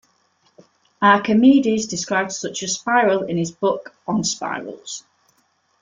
Archimedes described such a spiral in his book "On Spirals".